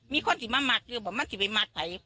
มีคนสิมามักก็บอกว่ามันจะไปหมักไภ